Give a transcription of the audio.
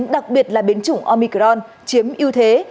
đặc biệt là biến chủng omicron chiếm ưu thế